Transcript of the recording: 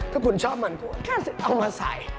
ถ้าคุณชอบมันก็แค่เอามาใส่